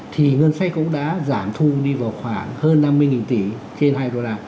thì ngân sách cũng đã giảm thu đi vào khoảng hơn năm mươi nghìn tỷ